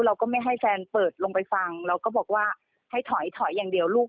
เราก็ไม่ให้แฟนเปิดลงไปฟังเราก็บอกว่าให้ถอยถอยอย่างเดียวลูก